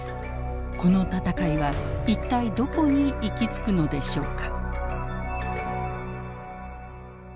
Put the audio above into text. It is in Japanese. この戦いは一体どこに行き着くのでしょうか。